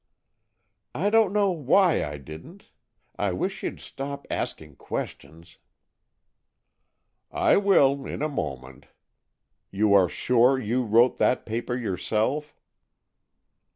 "I don't know why I didn't! I wish you'd stop asking questions!" "I will, in a moment. You are sure you wrote that paper yourself?"